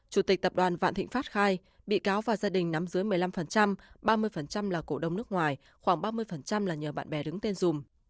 chủ tịch tập đoàn vạn thịnh pháp khai bị cáo và gia đình nắm dưới một mươi năm ba mươi là cổ đông nước ngoài khoảng ba mươi là nhờ bạn bè đứng tên dùm